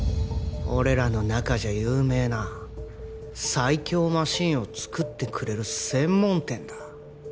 俺らの中じゃ有名な最強マシーンを作ってくれる専門店だ